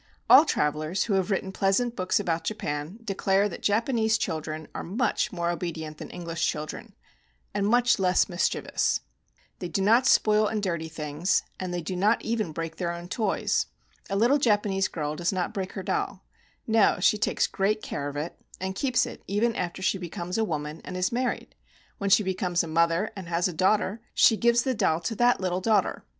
All travelers, who have written pleasant books about Japan, declare that Japanese children are much more obedient than English children and much less mischievous. They do not spoil » „„C,oo g Ie 10 CHIN CHIN KOBAKAMA and dirty things, and they do not even break their own toys. A little Japanese girl does not break her doll. No, she takes great care of it, and keeps it even after she becomes a woman and is married. When she becomes a mother, and has a daughter, she gives the doll to that little daughter.